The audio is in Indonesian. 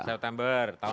september tahun depan